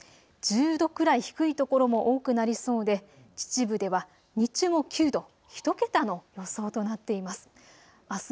１０度くらい低い所も多くなりそうで秩父では日中も９度、１桁の予想となっています。